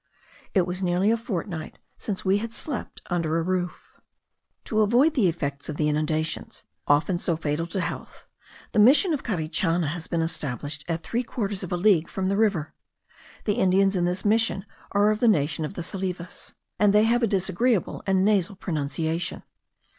It was nearly a fortnight since we had slept under a roof. To avoid the effects of the inundations, often so fatal to health, the Mission of Carichana has been established at three quarters of a league from the river. The Indians in this Mission are of the nation of the Salives, and they have a disagreeable and nasal pronunciation.